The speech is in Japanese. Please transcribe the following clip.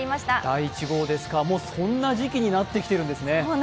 第１号ですか、もうそんな時期になってきてるんですね。